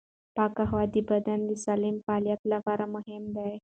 پاکه هوا د بدن د سالم فعالیت لپاره مهمه ده.